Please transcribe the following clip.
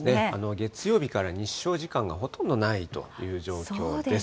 月曜日から日照時間がほとんどないという状況です。